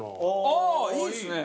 ああいいですね！